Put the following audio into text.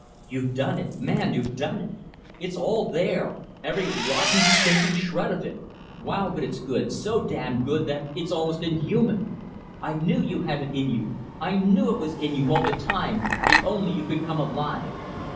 "You've done it! man you've done it! It's all there; every rotten, stinking shred of it! Wow! but it's good so damned good that it's almost inhuman. I knew you had it in you. I knew it was in you, all the time if only you could come alive.